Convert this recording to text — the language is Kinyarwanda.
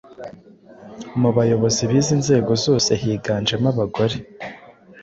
Mu bayobozi b’izi nzego zose higanjemo abagore